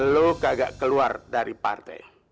lo kagak keluar dari partai